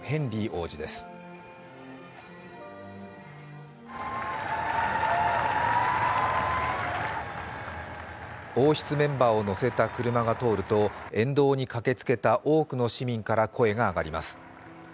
王室メンバーを乗せた車が通ると、沿道に駆けつけた多くの市民から声が上がります。